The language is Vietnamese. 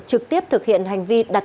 trực tiếp thực hiện hành vi đánh bạc